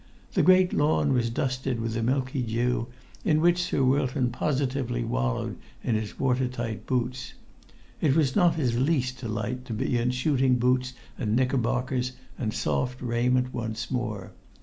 The great lawn was dusted with a milky dew in which Sir Wilton positively[Pg 91] wallowed in his water tight boots; it was not his least delight to be in shooting boots and knickerbockers and soft raiment once more.